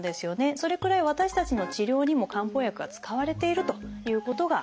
それくらい私たちの治療にも漢方薬は使われているということが分かります。